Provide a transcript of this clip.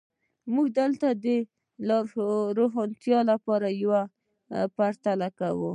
موږ دلته د لا روښانتیا لپاره یوه پرتله کوو.